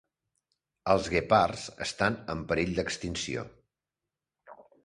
Els guepards estan en perill d"extinció.